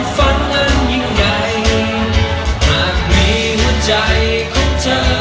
ฝันอันยังไงหากมีหัวใจของเธอ